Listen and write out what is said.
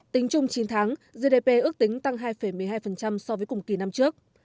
tính chung chín tháng gdp ước tính tăng hai một mươi hai so với cùng kỳ năm trước